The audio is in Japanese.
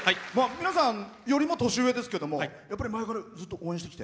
皆さんよりも年上ですけどもやっぱり前からずっと応援してきて？